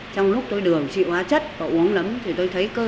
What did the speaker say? trong lúc tôi đường trị hóa chất và uống nấm tôi thấy cơ thể